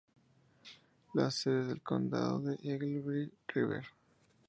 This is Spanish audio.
La sede del condado es Eagle River.